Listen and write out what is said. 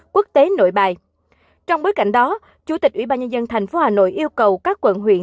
quốc tế nổi bài trong bối cảnh đó chủ tịch ubnd thành phố hà nội yêu cầu các quận huyện